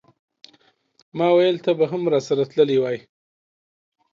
ماویل ته به هم راسره تللی وای.